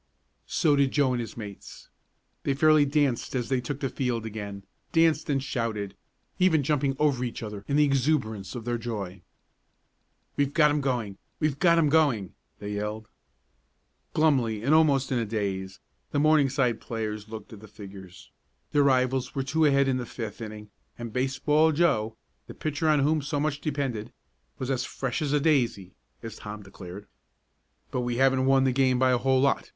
So did Joe and his mates. They fairly danced as they took the field again; danced and shouted, even jumping over each other in the exuberance of their joy. "We've got 'em going! We've got 'em going!" they yelled. Glumly, and almost in a daze, the Morningside players looked at the figures. Their rivals were two ahead in the fifth inning and Baseball Joe, the pitcher on whom so much depended, was "as fresh as a daisy," as Tom declared. "But we haven't won the game by a whole lot!"